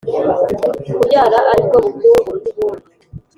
kubyara ari bwo bukungu buruta ubundi.